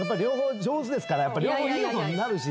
上手ですから両方いい音になるし。